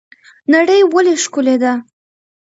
نړۍ ولې ښکلې ده؟